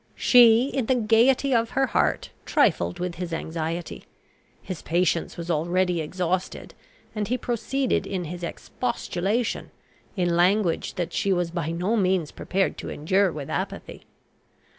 She, in the gaiety of her heart, trifled with his anxiety. His patience was already exhausted, and he proceeded in his expostulation, in language that she was by no means prepared to endure with apathy.